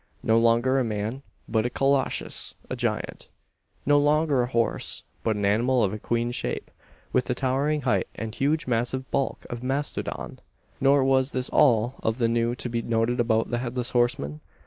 No longer a man, but a Colossus a giant. No longer a horse, but an animal of equine shape, with the towering height and huge massive bulk of a mastodon! Nor was this all of the new to be noted about the Headless Horseman.